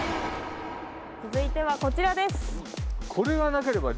続いてはこちらです。